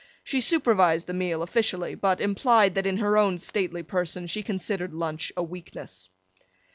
She supervised the meal officially, but implied that in her own stately person she considered lunch a weakness.